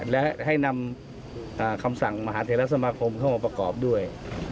และให้นำคำสั่งมหาเทราสมาคมเข้ามาประกอบด้วย